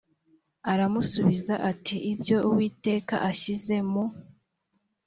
aramusubiza ati ibyo uwiteka ashyize mu